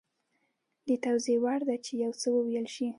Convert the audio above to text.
د توضیح وړ ده چې یو څه وویل شي